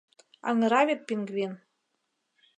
Аҥыра вет пингвин.